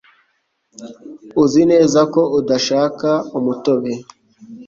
Uzi neza ko udashaka umutobe